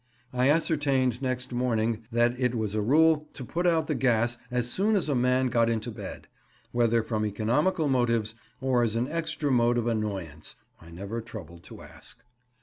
I ascertained next morning that it was a rule to put out the gas as soon as a man got into bed; whether from economical motives or as an extra mode of annoyance, I never troubled to ask.